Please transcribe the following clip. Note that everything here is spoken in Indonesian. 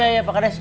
iya pak kades